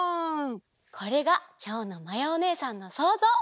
これがきょうのまやおねえさんのそうぞう！